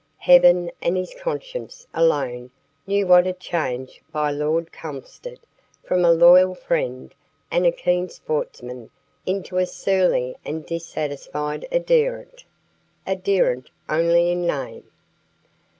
Heaven and his conscience alone knew what had changed my Lord Kulmsted from a loyal friend and keen sportsman into a surly and dissatisfied adherent adherent only in name.